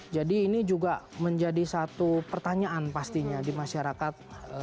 jadi ini juga menjadi satu pertanyaan pastinya di masyarakat